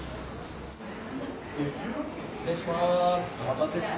失礼します。